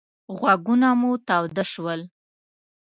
غوږونه مو تاوده شول.